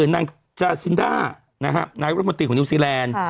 นางจาซินด้านายรัฐมนตรีของนิวซีแลนด์